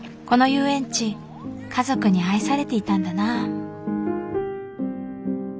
この遊園地家族に愛されていたんだな。